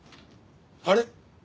あれ？